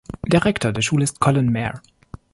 Der Rektor der Schule ist Colin Mair.